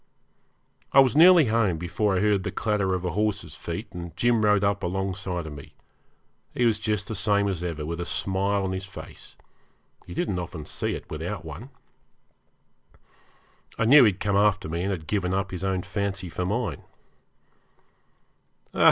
I was nearly home before I heard the clatter of a horse's feet, and Jim rode up alongside of me. He was just the same as ever, with a smile on his face. You didn't often see it without one. I knew he had come after me, and had given up his own fancy for mine.